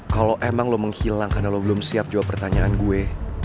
kalau emang lo menghilang karena lo belum siap jawab pertanyaan gue